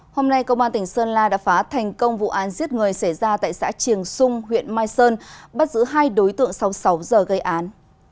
hôm nay công an tỉnh sơn la đã phá thành công vụ án giết người xảy ra tại xã triềng xung huyện mai sơn bắt giữ hai đối tượng sau sáu giờ gây án